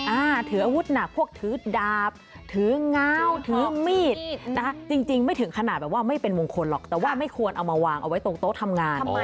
อ่าถืออาวุธหนักพวกถือดาบถือง้าวถือมีดนะคะจริงจริงไม่ถึงขนาดแบบว่าไม่เป็นมงคลหรอกแต่ว่าไม่ควรเอามาวางเอาไว้ตรงโต๊ะทำงาน